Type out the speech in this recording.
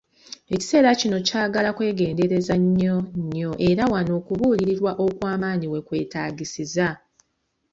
Ekiseera kino kyagala kwegendereza nnyo, nnyo, era wano okubuulirirwa okwamaanyi wekwetaagisiza.